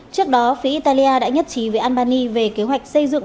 trước đó phía italia đã nhất trí với albany về kế hoạch xây dựng